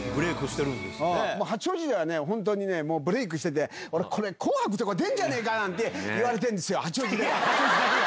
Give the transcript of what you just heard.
はい、もう八王子ではね、もうブレークしてて、俺、これ、紅白とか出んじゃねぇかって言われてんですよ、八王子では。